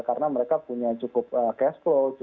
karena mereka punya cukup cash flow